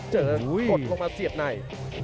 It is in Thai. กดลงมาเสียบใน